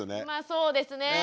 まあそうですね。